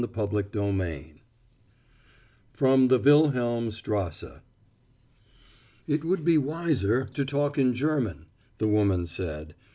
CHAPTER II FROM THE WILHELMSTRASSE "It would be wiser to talk in German," the woman said.